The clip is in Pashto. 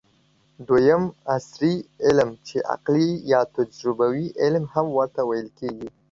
دویم : عصري علم چې عقلي یا تجربوي علم هم ورته ويل کېږي